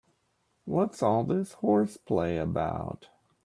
What's all this horseplay about?